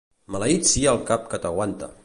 Maleït sia el cap que t'aguanta!